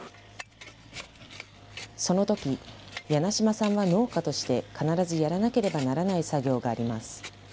そのとき、梁島さんは農家として、必ずやらなければならない作業があります。